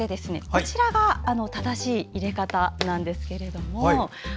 こちらが正しい入れ方なんですが。